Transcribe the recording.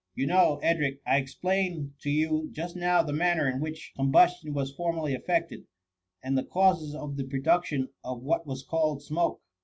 You know, Edric, I explained to you just now the manner in which combustion was formerly effected, and the causes of the produc tion of what was called smoke.